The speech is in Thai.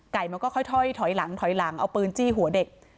มันก็ค่อยถอยหลังถอยหลังเอาปืนจี้หัวเด็ก